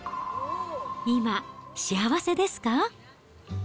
今、幸せですか？